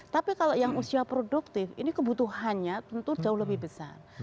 tapi kalau yang usia produktif ini kebutuhannya tentu jauh lebih besar